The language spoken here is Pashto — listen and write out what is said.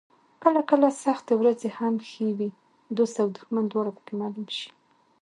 کله کله سختې ورځې هم ښې وي، دوست او دښمن دواړه پکې معلوم شي.